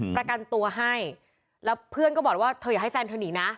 ประกันตัวให้แล้วเพื่อนก็บอกว่าเธออยากให้แฟนเธอหนีนะ